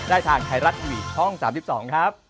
ทางไทยรัฐทีวีช่อง๓๒ครับ